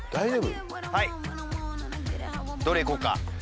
はいどれいこうか？